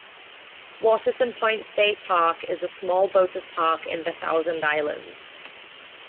Waterson Point State Park is a small boater's park in the Thousand Islands.